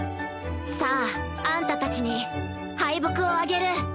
さああんたたちに敗北をあげる。